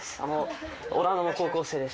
オランダの高校生です。